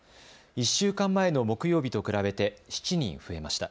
１週間前の木曜日と比べて７人増えました。